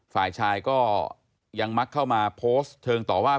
ฝ่ายชายก็ยังมักเข้ามาโพสต์เทิงต่อว่า